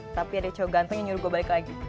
tapi ada cowok ganteng yang nyuruh gue balik lagi